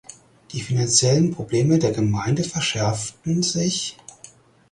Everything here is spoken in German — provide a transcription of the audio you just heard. Die finanziellen Probleme der Gemeinde verschärften sich.